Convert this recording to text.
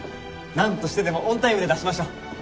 なんとしてでもオンタイムで出しましょう！